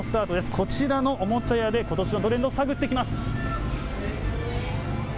こちらのおもちゃ屋で、ことしのトレンド、探ってきます。